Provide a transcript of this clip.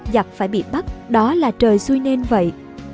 giặc phải bị bắt đó là trời xui nên vậy